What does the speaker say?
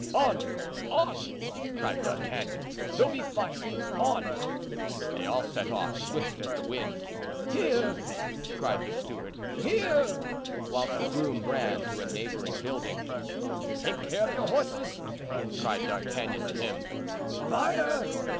"On! on!" cried D'Artagnan; "there'll be firing! on!" They all set off, swift as the wind. "Here!" cried the steward, "here!" whilst the groom ran to a neighboring building. "Take care of your horses!" cried D'Artagnan to him. "Fire!"